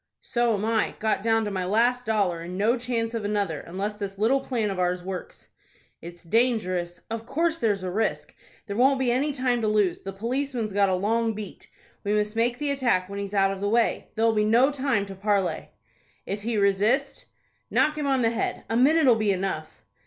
"So am I. Got down to my last dollar, and no chance of another, unless this little plan of ours works." "It's dangerous." "Of course there's a risk. There won't be any time to lose. The policeman's got a long beat. We must make the attack when he's out of the way. There'll be no time to parley." "If he resist—" "Knock him on the head. A minute'll be enough."